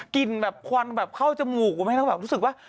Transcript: กลิ่นแบบควันเข้าจมูกมันให้เราแบบรู้สึกว่า